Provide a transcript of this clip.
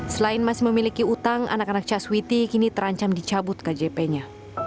selain masih memiliki utang anak anak caswiti kini terancam dicabut kjp nya